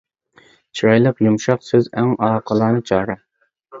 چىرايلىق، يۇمشاق سۆز ئەڭ ئاقىلانە چارە.